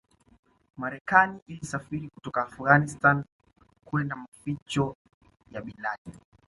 Marekani ilisafiri kutoka Afghanistan kwenda maficho ya Bin Laden